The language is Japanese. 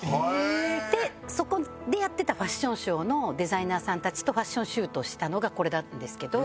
でそこでやってたファッションショーのデザイナーさんたちとファッションシュートしたのがこれだったんですけど。